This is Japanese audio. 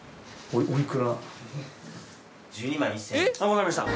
分かりました。